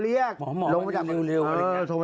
เพื่อนฉันไม่เอเรื่อง